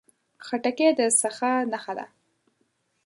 خټکی د سخا نښه ده.